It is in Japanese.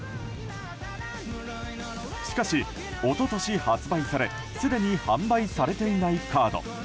しかし、一昨年発売されすでに販売されていないカード。